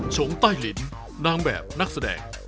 ชงใต้ลิ้นนางแบบนักแสดง